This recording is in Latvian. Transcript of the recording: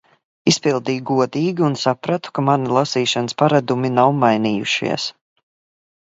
Izpildīju godīgi un sapratu, ka mani lasīšanas paradumi nav mainījušies.